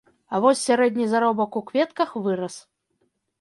А вось сярэдні заробак у кветках вырас.